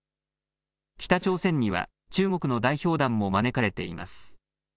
北朝鮮には中国の代表団も招かれています。